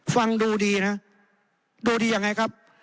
ฟังดูดีนะดูดียังไงครับ